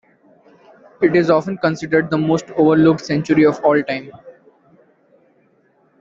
It is often considered the most overlooked century of all time.